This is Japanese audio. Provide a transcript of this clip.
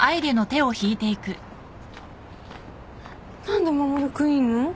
何で守君いんの？